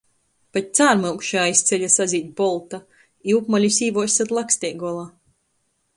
Pat cārmyukša aiz ceļa sazīd bolta, i upmalis īvuos syt laksteigola.